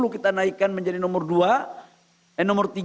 kita naikkan menjadi nomor tiga